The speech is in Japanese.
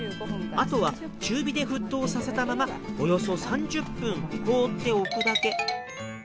あとは中火で沸騰させたままおよそ３０分放っておくだけ！